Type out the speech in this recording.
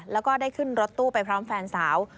แล้วก็ได้ขึ้นรถตู้ไปพร้อมแฟนสาว